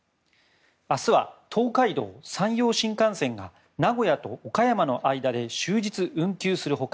明日は東海道・山陽新幹線が名古屋と岡山の間で終日運休する他